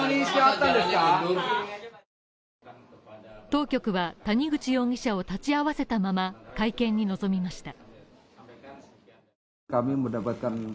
当局は、谷口容疑者を立ち会わせたまま会見に臨みました。